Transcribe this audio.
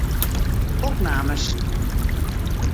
Opnames.